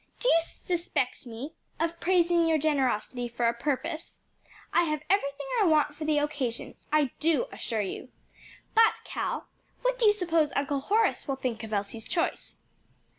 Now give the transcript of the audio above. "Do you suspect me of praising your generosity for a purpose? I have everything I want for the occasion, I do assure you. But, Cal, what do you suppose Uncle Horace will think of Elsie's choice?"